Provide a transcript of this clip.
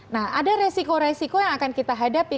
nah ada resiko resiko yang akan kita hadapi